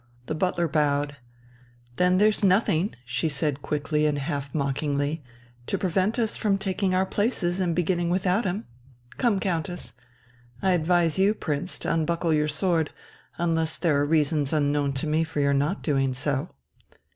The butler bowed. "Then there's nothing," she said quickly and half mockingly, "to prevent us from taking our places and beginning without him. Come, Countess! I advise you, Prince, to unbuckle your sword, unless there are reasons unknown to me for your not doing so...."